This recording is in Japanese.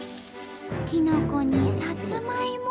きのこにさつまいも！